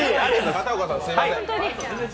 片岡さん、すみません！